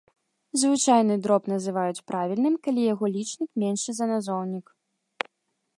Звычайны дроб называюць правільным, калі яго лічнік меншы за назоўнік.